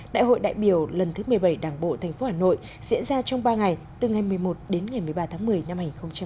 đại hội đại biểu lần thứ một mươi bảy đảng bộ tp hà nội diễn ra trong ba ngày từ ngày một mươi một đến ngày một mươi ba tháng một mươi năm hai nghìn hai mươi